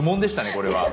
これは。